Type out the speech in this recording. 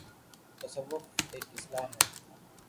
' تصوف‘ ایک اصطلاح ہے۔